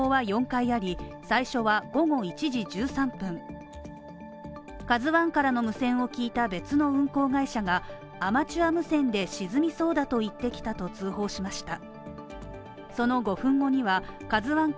通報は４回あり、最初は午後１時１３分「ＫＡＺＵ１」からの無線を聞いた別の運航会社がアマチュア無線で沈みそうだと言ってきたと通報しました。